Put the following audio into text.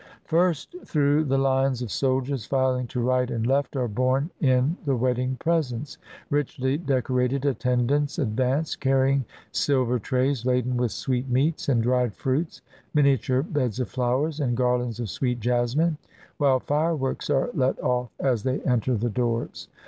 First, through the lines of soldiers filing to right and left, are borne in the wedding presents. Richly deco rated attendants advance, carrying silver trays laden with sweetmeats and dried fruits, miniature beds of flowers, and garlands of sweet jasmine; while fireworks are let off as they enter the doors.